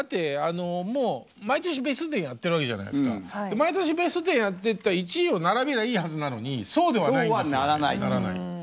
毎年ベスト１０やってった１位を並べりゃいいはずなのにそうではないんですよね。